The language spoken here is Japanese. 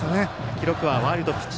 記録はワイルドピッチ。